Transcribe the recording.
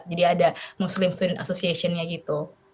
jadi ada muslim student association nya gitu